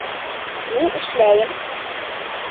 Ни эшләйем?